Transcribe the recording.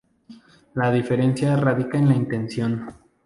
La diferencia radica en la intención.